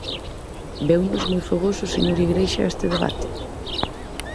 Veunos moi fogoso o señor Igrexa a este debate.